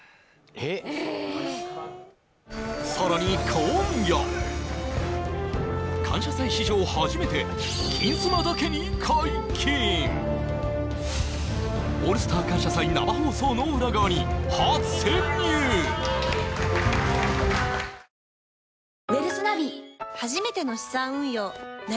えさらに今夜「感謝祭」史上初めて「金スマ」だけに解禁「オールスター感謝祭」待ってました！